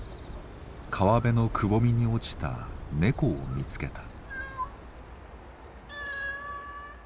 川辺のくぼみに落ちた猫を見つけた。